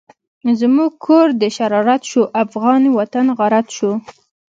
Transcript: زمونږ کور دشرارت شو، افغانی وطن غارت شو